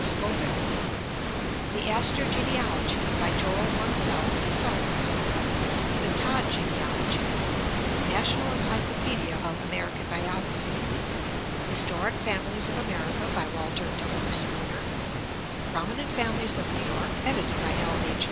Sco ville) ; The Astor Genealogy, by Joel Munsell's Sons; The Todd Genealogy; National Encyclopedia O V American Biography; Historic Families of America, by Walter W. Spooner; Prominent Families of New York, edited by L. H.